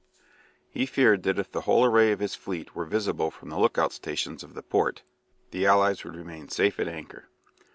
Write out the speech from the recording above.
He feared that if the whole array of his fleet were visible from the look out stations of the port the allies would remain safe at anchor.